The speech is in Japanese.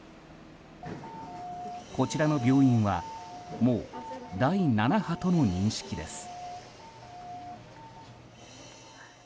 こちらの病院はもう第７波との認識です。